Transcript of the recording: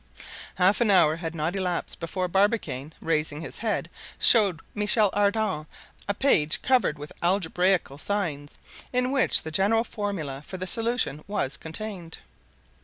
Half an hour had not elapsed before Barbicane, raising his head, showed Michel Ardan a page covered with algebraical signs, in which the general formula for the solution was contained.